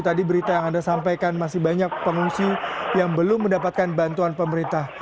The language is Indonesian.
tadi berita yang anda sampaikan masih banyak pengungsi yang belum mendapatkan bantuan pemerintah